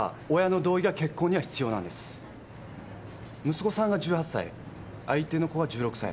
息子さんが１８歳相手の子は１６歳。